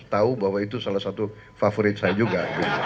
tahu bahwa itu salah satu favorit saya juga